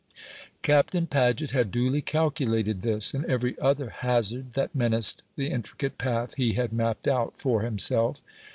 Captain Paget had duly calculated this, and every other hazard that menaced the intricate path he had mapped out for himself.